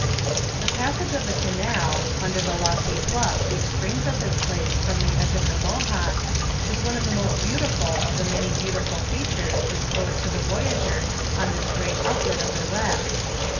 The passage of the Canal, under the lofty bluff which springs at this place from the edge of the Mohawk, is one of the most beautiful of the many beautiful features disclosed to the voyager on this great outlet of the West.